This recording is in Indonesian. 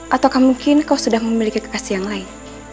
ataukah mungkin kau sudah memiliki kekasih yang lain